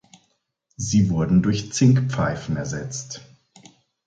Sie wurden durch Zinkpfeifen ersetzt.